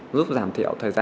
giúp giảm thiểu thời gian